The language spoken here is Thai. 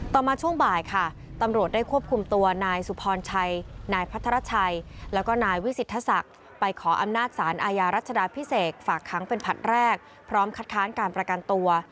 มาช่วงบ่ายค่ะตำรวจได้ควบคุมตัวนายสุพรชัยนายพัทรชัยแล้วก็นายวิสิทธศักดิ์ไปขออำนาจสารอาญารัชดาพิเศษฝากค้างเป็นผลัดแรกพร้อมคัดค้านการประกันตัว